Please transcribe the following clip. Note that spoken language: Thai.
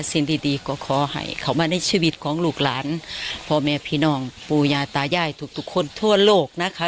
สิ่งดีก็ขอให้เขามาในชีวิตของลูกหลานพ่อแม่พี่น้องปูยาตายายทุกคนทั่วโลกนะคะ